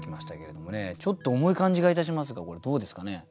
ちょっと重い感じがいたしますがこれどうですかね？